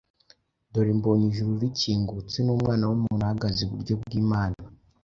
Dore, mbonye ijuru rikingutse, n’Umwana w’umuntu ahagaze iburyo bw’Imana.”